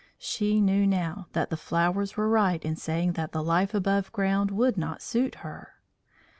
She knew now that the flowers were right in saying that the life above ground would not suit her.